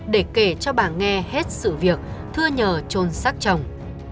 để kể cho bà nghe hết sự việc thưa nhờ trôn xác chồng